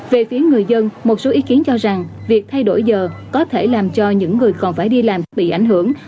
về phía người dân một số ý kiến cho rằng việc thay đổi giờ có thể làm cho những người còn phải đi làm bị ảnh hưởng